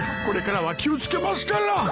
これからは気を付けますから。